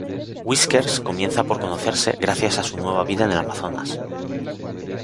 Whiskers comienzan por conocerse, gracias a su nueva vida en el Amazonas.